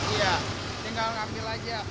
iya tinggal ambil aja